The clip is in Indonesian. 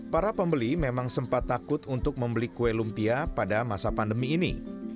para pembeli memang sempat takut untuk membeli kue lumpia pada masa pandemi ini